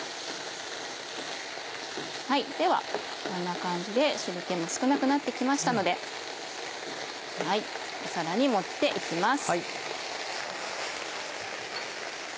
ではこんな感じで汁気も少なくなって来ましたので皿に盛って行きます。